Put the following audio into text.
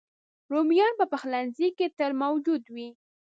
رومیان په پخلنځي کې تل موجود وي